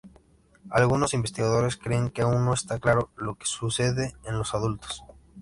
Algunos investigadores creen que aún no está claro lo que sucede en los adultos.